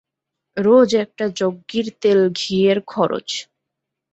রোজ একটা যজ্ঞির তেল-ঘি এর খরচ!